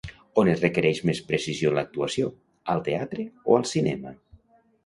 On es requereix més precisió en l'actuació, al teatre o al cinema?